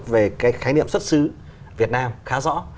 về cái khái niệm xuất xứ việt nam khá rõ